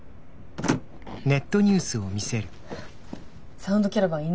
サウンドキャラバン